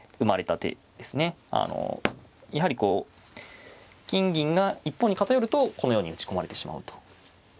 あのやはりこう金銀が一方に偏るとこのように打ち込まれてしまうと。